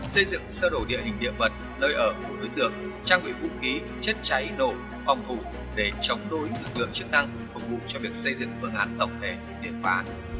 xây dựng sơ đổ địa hình địa vật nơi ở của đối tượng trang bị vũ khí chất cháy nổ phòng thủ để chống đối lực lượng chức năng phục vụ cho việc xây dựng phương án tổng thể triệt phá